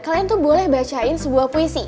kalian tuh boleh bacain sebuah puisi